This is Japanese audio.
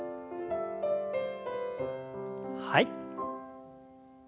はい。